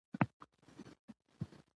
يو ځل بيا د ښوونې او روزنې په ډګر کې